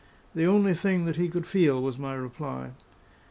"The only thing that he could feel," was my reply.